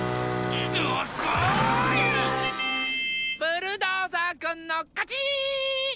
ブルドーザーくんのかち！